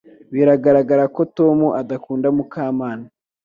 Biragaragara ko Tom adakunda Mukamana